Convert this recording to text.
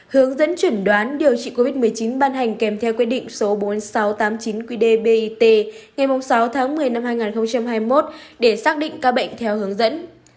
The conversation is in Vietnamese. hướng dẫn chuẩn đoán điều trị covid một mươi chín ban hành kèm theo quyết định số bốn nghìn sáu trăm tám mươi chín qdbit ngày sáu tháng một mươi năm hai nghìn hai mươi một để xác định ca bệnh theo hướng dẫn